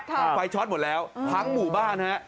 ข้างไฟช็อตหมดแล้วข้างหมู่บ้านนะฮะ